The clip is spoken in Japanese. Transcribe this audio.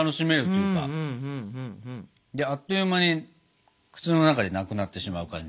であっという間に口の中でなくなってしまう感じ。